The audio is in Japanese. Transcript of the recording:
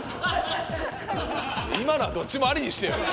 今のはどっちもありにしてよ。